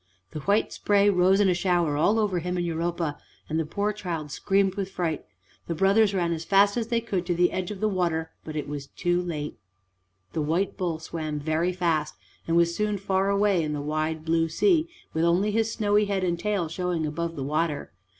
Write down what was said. The white spray rose in a shower all over him and Europa, and the poor child screamed with fright. The brothers ran as fast as they could to the edge of the water, but it was too late. The white bull swam very fast and was soon far away in the wide blue sea, with only his snowy head and tail showing above the water.